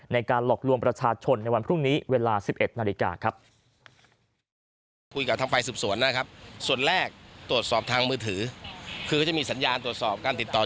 ในการหลอกลวงประชาชนในวันพรุ่งนี้เวลา๑๑นาฬิกาครับ